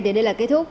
đến đây là kết thúc